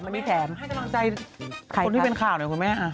ไม่แถมให้กำลังใจคนที่เป็นข่าวหน่อยคุณแม่